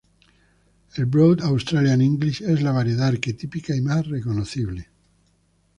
El Broad Australian English es la variedad arquetípica y más reconocible.